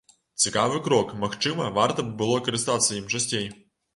Цікавы крок, магчыма, варта б было карыстацца ім часцей.